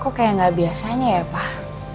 kok kayak gak biasanya ya pak